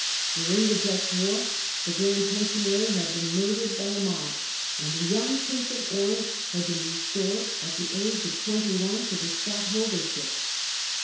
During the Dutch war the Grand Pensionary had been murdered by a mob, and the young Prince of Orange had been re stored, at the age of twenty one, to the Stadtholdership.